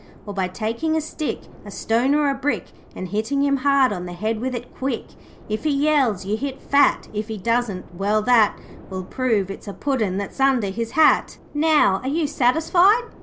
Or by taking a stick, A stone or a brick, And hitting him hard on the head with it quick. If he yells, you hit fat, If he doesn't, well that Will prove it's a Puddin' that's under his hat.' 'Now are you satisfied?'